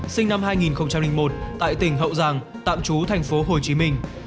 sinh năm hai nghìn một tại tỉnh hậu giang tạm trú thành phố hồ chí minh